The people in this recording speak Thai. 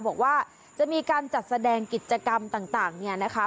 บอกว่าจะมีการจัดแสดงกิจกรรมต่างเนี่ยนะคะ